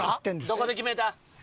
どこで決めた？